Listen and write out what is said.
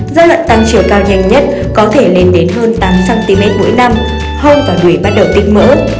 giai đoạn tăng chiều cao nhanh nhất có thể lên đến hơn tám cm mỗi năm hông và đuổi bắt đầu tinh mỡ